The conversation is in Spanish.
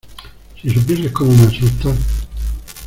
¡ si supieses cómo me asustas!...